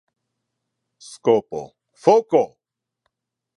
Scopo. Foco!